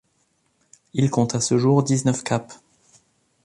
Il compte à ce jour dix-neuf capes.